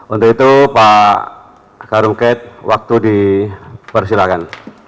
untuk itu pak karuket waktu dipersilakan